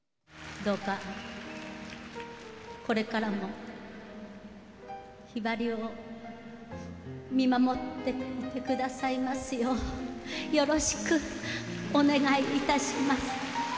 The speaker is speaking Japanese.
どうかこれからもひばりを見守っていてくださいますようよろしくお願いいたします。